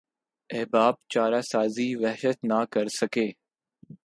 احباب چارہ سازی وحشت نہ کرسکے